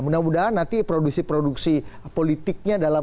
mudah mudahan nanti produksi produksi politiknya dalam